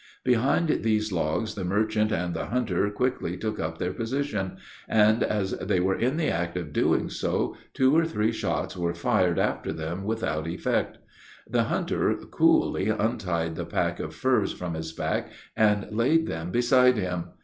Behind these logs the merchant and the hunter quickly took up their position, and as they were in the act of doing so, two or three shots were fired after them without effect. The hunter coolly untied the pack of furs from his back, and laid them beside him.